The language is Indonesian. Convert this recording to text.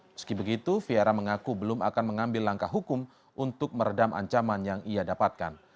meski begitu fiera mengaku belum akan mengambil langkah hukum untuk meredam ancaman yang ia dapatkan